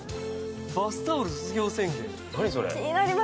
バスタオル卒業宣言？